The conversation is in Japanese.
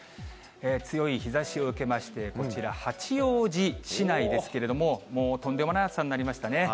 強い日ざしを受けまして、こちら、八王子市内ですけれども、とんでもない暑さになりましたね。